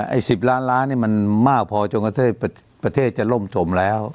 ไอ้๑๐ล้านล้านนี่มันมากพอจนกระประเทศจะล่มจมแล้ว